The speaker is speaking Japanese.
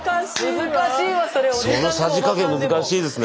そのさじ加減難しいですね。